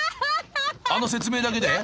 あの説明だけで？］